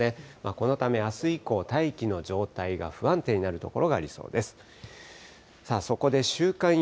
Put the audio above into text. このため、あす以降、大気の状態が不安定になる所がありそうです。